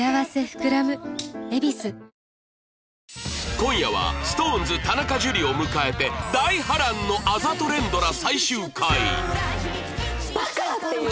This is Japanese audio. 今夜は ＳｉｘＴＯＮＥＳ 田中樹を迎えて大波乱の「バカァ！！」って言って。